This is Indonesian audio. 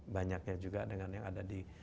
banyaknya juga dengan yang ada di